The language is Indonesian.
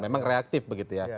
memang reaktif begitu ya